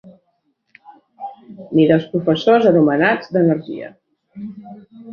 ...ni dels professors anomenats d'energia